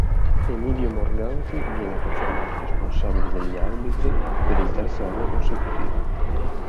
Emidio Morganti viene confermato responsabile degli arbitri per il terzo anno consecutivo.